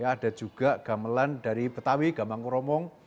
ada juga gamelan dari betawi gaman kuromong